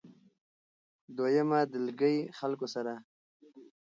دويمه ډلګۍ خلکو سره